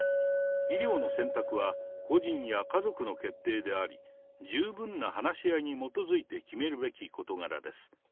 医療の選択は個人や家族の決定であり、十分な話し合いに基づいて決めるべき事柄です。